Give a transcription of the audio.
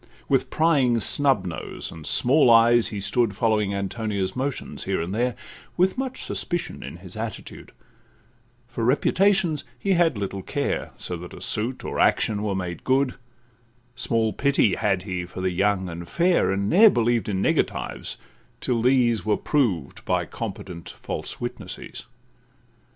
With prying snub nose, and small eyes, he stood, Following Antonia's motions here and there, With much suspicion in his attitude; For reputations he had little care; So that a suit or action were made good, Small pity had he for the young and fair, And ne'er believed in negatives, till these Were proved by competent false witnesses.